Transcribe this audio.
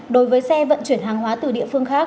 đối với xe vận chuyển hàng hóa từ địa phương khác